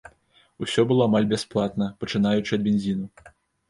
Усё было амаль бясплатна, пачынаючы ад бензіну.